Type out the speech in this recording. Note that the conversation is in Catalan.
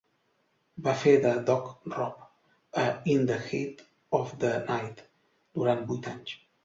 Va fer de Doc Robb a "In the Heat of the Night" durant vuit anys.